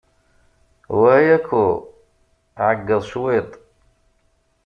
Wa Ayako, ɛeggeḍ cwiṭ.